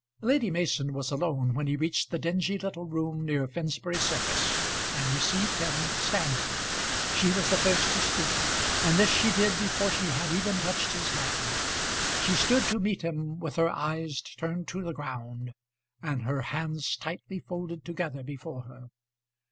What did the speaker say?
Lady Mason was alone when he reached the dingy little room near Finsbury Circus, and received him standing. She was the first to speak, and this she did before she had even touched his hand. She stood to meet him, with her eyes turned to the ground, and her hands tightly folded together before her.